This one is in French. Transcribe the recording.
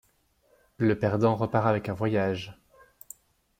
Le perdant repart avec un voyage.